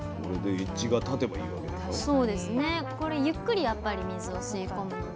これゆっくりやっぱり水を吸い込むので。